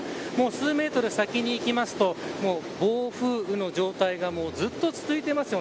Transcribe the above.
数メートル先にいくと暴風雨の状態が続いています。